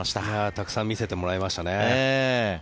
たくさん見せてもらいましたね。